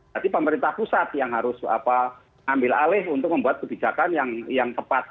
jadi pemerintah pusat yang harus ambil alih untuk membuat kebijakan yang tepat